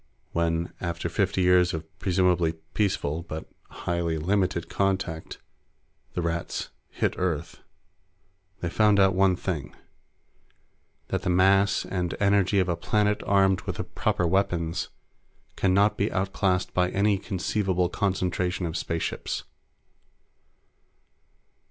When, after fifty years of presumably peaceful but highly limited contact, the Rats hit Earth, they found out one thing. That the mass and energy of a planet armed with the proper weapons can not be out classed by any conceivable concentration of spaceships.